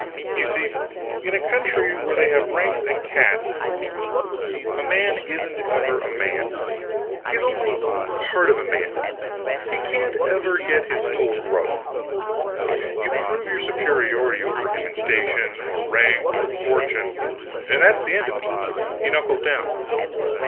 You see, in a country where they have ranks and castes, a man isn't ever a man, he is only part of a man, he can't ever get his full growth. You prove your superiority over him in station, or rank, or fortune, and that's the end of it he knuckles down.